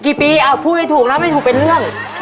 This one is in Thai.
กี่ปีพูดไม่ถูกนะไม่ถูกเป็นเรื่อง